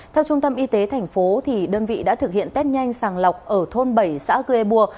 theo trung tâm y tế tp đơn vị đã thực hiện test nhanh sàng lọc ở thôn bảy xã cư e bua